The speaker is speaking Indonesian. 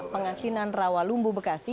pengasinan rawalumbu bekasi